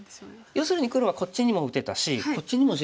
要するに黒はこっちにも打てたしこっちにも地が作れそう。